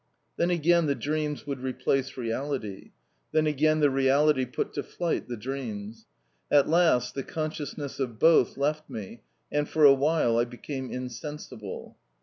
Then again the dreams would replace reality then again the reality put to flight the dreams. At last the consciousness of both left me, and for a while I became insensible.